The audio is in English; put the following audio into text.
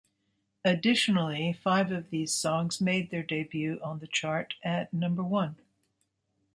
Additionally, five of these songs made their debut on the chart at number-one.